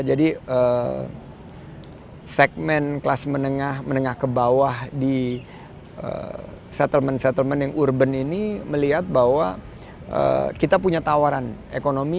jadi segmen kelas menengah menengah ke bawah di settlement settlement yang urban ini melihat bahwa kita punya tawaran ekonomi